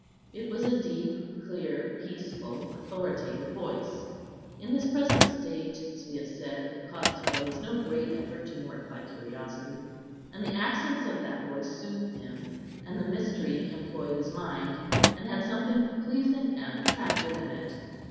It was a deep, clear, peaceful, authoritative voice. In his present state, as we have said, it cost Agellius no great effort to mortify curiosity; and the accents of that voice soothed him, and the mystery employed his mind, and had something pleasing and attractive in it.